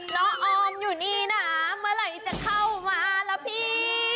น้องออมอยู่นี่นะเมื่อไหร่จะเข้ามาล่ะพี่